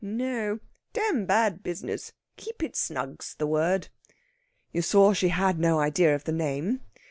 "No! Dam bad business! Keep it snug's the word." "You saw she had no idea of the name.